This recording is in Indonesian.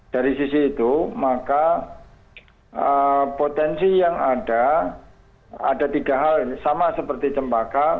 dari sisi itu maka potensi yang ada ada tiga hal sama seperti cempaka